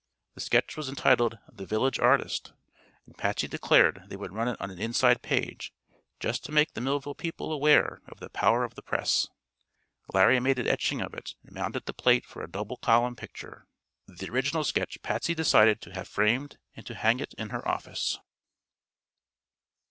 The sketch was entitled "The Village Artist," and Patsy declared they would run it on an inside page, just to make the Millville people aware of the "power of the press." Larry made an etching of it and mounted the plate for a double column picture. The original sketch Patsy decided to have framed and to hang it in her office.